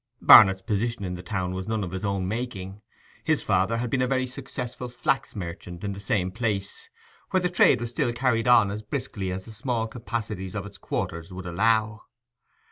Barnet's position in the town was none of his own making; his father had been a very successful flax merchant in the same place, where the trade was still carried on as briskly as the small capacities of its quarters would allow.